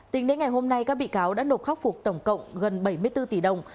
tính đến ngày hôm nay các bị cáo đã nộp khắc phục tổng cộng gần bảy mươi bốn tỷ đồng